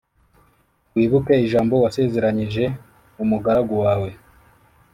Wibuke ijambo wasezeranyije umugaragu wawe